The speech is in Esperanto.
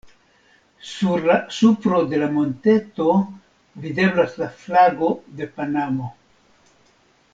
Sur la supro de la monteto, videblas la flago de Panamo.